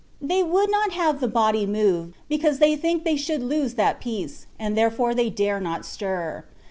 151 They would not have the body move, because they think they should lose that peace, and there fore they dare not stir.